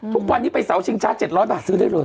ทุกวันนี้ไปเสาชิงช้า๗๐๐บาทซื้อได้เลย